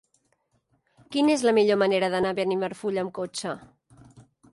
Quina és la millor manera d'anar a Benimarfull amb cotxe?